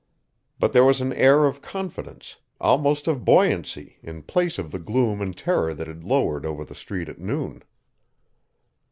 But there was an air of confidence, almost of buoyancy, in place of the gloom and terror that had lowered over the street at noon.